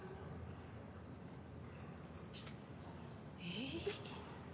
ええ？